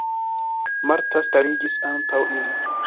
Marta stariĝis antaŭ ili.